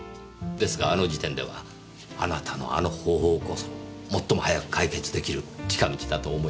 ですがあの時点ではあなたのあの方法こそ最も早く解決出来る近道だと思いました。